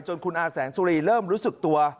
คุณอาแสงสุรีเริ่มรู้สึกตัว